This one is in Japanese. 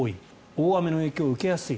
大雨の影響を受けやすい。